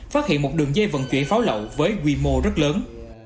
phát hiện một đường dây vận chuyển pháo lậu với quy mô rất lớn